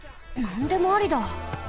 なんでもありだ。